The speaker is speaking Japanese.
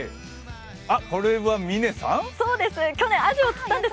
これは嶺さん？